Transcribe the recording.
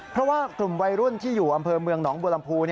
เพราะว่ากลุ่มวัยรุ่นที่อยู่อำเภอเมืองหนองบัวลำพู